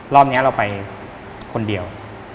รอบนี้เราไปคนเดียว